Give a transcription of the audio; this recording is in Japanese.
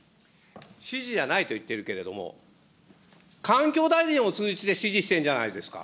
指示じゃないと言っているけれども、環境大臣を通じて指示してるじゃないですか。